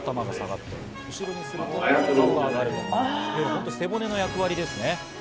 本当に背骨の役割ですね。